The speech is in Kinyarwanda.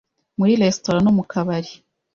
muri resitora no mu kabari